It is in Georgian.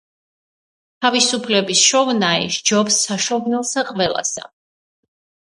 „თავისუფლების შოვნაი სჯობს საშოვნელსა ყველასა.“